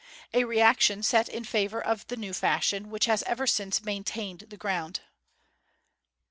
A reaction set in in favour of the new fashion, which has ever since maintained its ground.